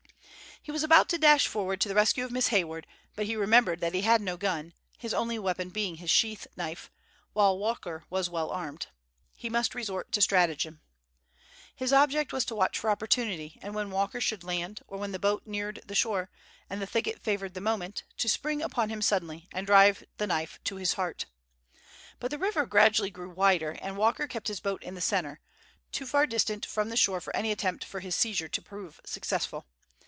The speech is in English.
He was about to dash forward to the rescue of Miss Hayward, but he remembered that he had no gun, his only weapon being his sheath knife, while Walker was well armed. He must resort to stratagem. His object was to watch for opportunity, and when Walker should land, or when the boat neared the shore, and the thicket favored the movement, to spring upon him suddenly, and drive the knife to his heart. But the river gradually grew wider, and Walker kept his boat in the center, too far distant from shore for any attempt for his seizure to prove successful.